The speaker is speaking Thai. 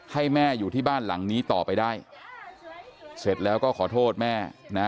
ให้แม่อยู่ที่บ้านหลังนี้ต่อไปได้เสร็จแล้วก็ขอโทษแม่นะ